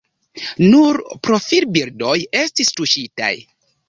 Nur profilbildoj estis tuŝitaj.